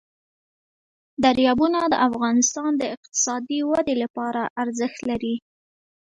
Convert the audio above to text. دریابونه د افغانستان د اقتصادي ودې لپاره ارزښت لري.